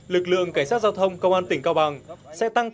lực lượng cảnh sát giao thông công an tỉnh cao bằng